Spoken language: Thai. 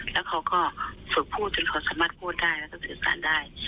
แล้วเขาก็ฝึกพูดจนเขาสามารถพูดได้แล้วก็สื่อสารได้